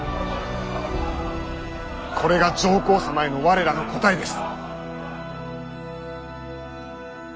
これが上皇様への我らの答えです。